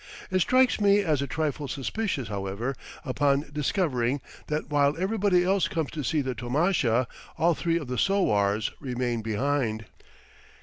It strikes me as a trifle suspicious, however, upon discovering that while everybody else comes to see the tomasha, all three of the sowars remain behind.